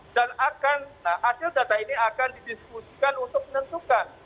dan akan nah hasil data ini akan didiskusikan untuk menentukan